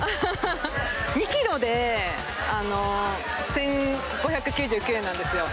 ２キロで１５９９円なんですよ。